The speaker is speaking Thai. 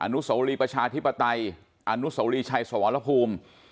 อนุโสรีประชาธิปไตยอนุโสรีชัยสวรรพภูมิ